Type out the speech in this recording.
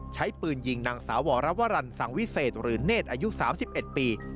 ใช้ปืนยิงนางสาวรวรรรณสังวิเศษหรือเนธอายุสามสิบเอ็ดปี